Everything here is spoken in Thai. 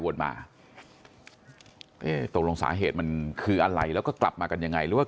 มาตกลงสาเหตุมันคืออะไรแล้วก็กลับมากันยังไงหรือว่า